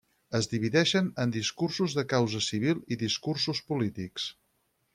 Es divideixen en discursos de causa civil i discursos polítics.